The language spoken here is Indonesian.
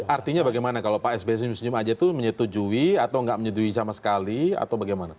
artinya bagaimana kalau pak sby senyum senyum aja itu menyetujui atau nggak menyetujui sama sekali atau bagaimana